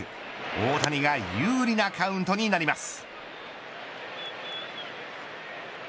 大谷が有利なカウントになります。